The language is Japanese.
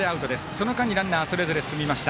その間にランナー、それぞれ進みました。